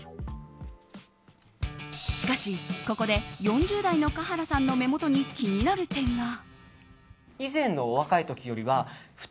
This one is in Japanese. しかし、ここで４０代の華原さんの目元に気になる点が。